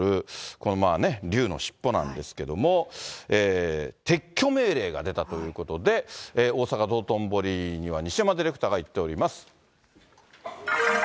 この龍の尻尾なんですけれども、撤去命令が出たということで、大阪・道頓堀には西山ディレクターが行っております。